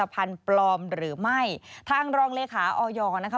ยอมรับว่าการตรวจสอบเพียงเลขอยไม่สามารถทราบได้ว่าเป็นผลิตภัณฑ์ปลอม